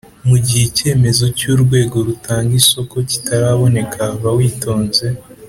Mu gihe icyemezo cy’urwego rutanga isoko kitaraboneka ba witonze